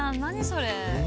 それ。